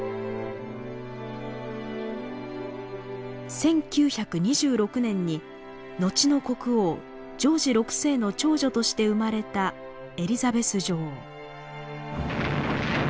１９２６年にのちの国王ジョージ６世の長女として生まれたエリザベス女王。